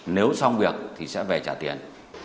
nếu xong việc thì sẽ về trả tiền